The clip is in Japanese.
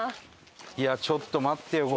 いやちょっと待ってよ